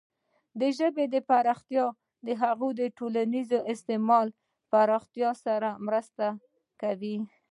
د ژبې پراختیا د هغې د ټولنیز استعمال پراختیا سره مرسته کوي.